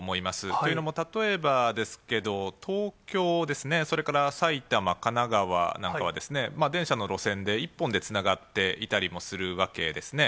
というのも、例えばですけど、東京ですね、それから埼玉、神奈川なんかは、電車の路線で一本でつながっていたりもするわけですね。